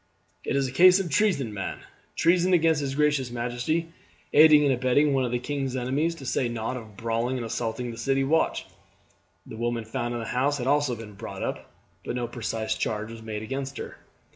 "It's a case of treason, man. Treason against his gracious majesty; aiding and abetting one of the king's enemies, to say nought of brawling and assaulting the city watch." The woman found in the house had also been brought up, but no precise charge was made against her.